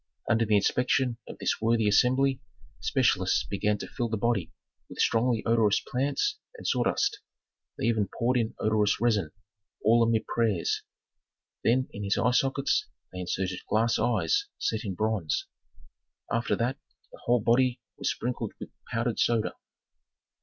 Under the inspection of this worthy assembly, specialists began to fill the body with strongly odorous plants and sawdust, they even poured in odorous resin, all amid prayers. Then in his eye sockets they inserted glass eyes set in bronze. After that the whole body was sprinkled with powdered soda.